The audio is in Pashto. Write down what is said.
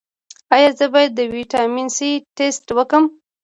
ایا زه باید د ویټامین سي ټسټ وکړم؟